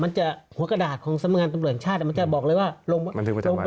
มันจะหัวกระดาษของสำงานตำรวจชาติมันจะบอกเลยว่าลงบันทึกประจำ